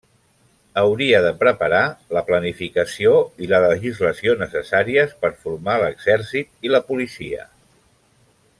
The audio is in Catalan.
Hauria de preparar la planificació i la legislació necessàries per formar l'exèrcit i la policia.